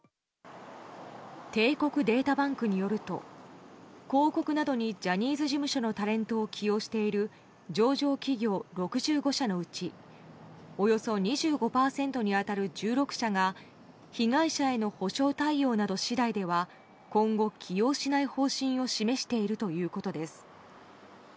帝国データバンクによると広告などにジャニーズ事務所のタレントを起用している上場企業６５社のうちおよそ２５％に当たる１６社が被害者への補償対応など次第では今後起用しない方針を示しているということです。